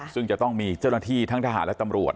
ซึ่งจะต้องมีเจ้าหน้าที่ทั้งทหารและตำรวจ